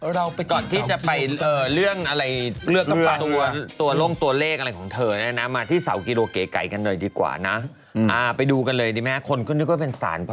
เราไปติดเกาะกิโลก่อนนะครับ